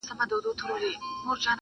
• ورته ضرور دي دا دواړه توکي -